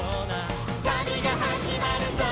「旅が始まるぞ！」